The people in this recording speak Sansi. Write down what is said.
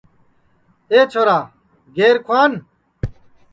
اے چھورا گیر کُھوان